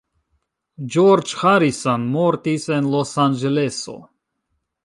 George Harrison mortis en Losanĝeleso.